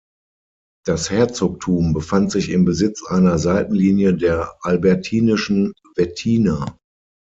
Das Herzogtum befand sich im Besitz einer Seitenlinie der albertinischen Wettiner.